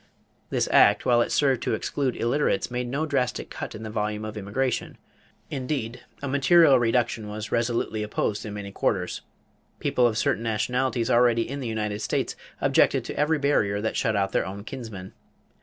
This act, while it served to exclude illiterates, made no drastic cut in the volume of immigration. Indeed a material reduction was resolutely opposed in many quarters. People of certain nationalities already in the United States objected to every barrier that shut out their own kinsmen.